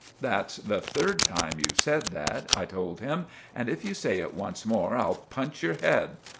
"That's the third time you've said that," I told him, "and if you say it once more, I'll punch your head.